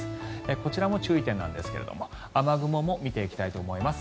こちらも注意点なんですが雨雲も見ていきたいと思います。